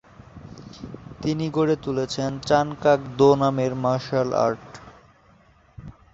তিনি গড়ে তুলেছেন চান কাক দো নামের মার্শালআর্ট।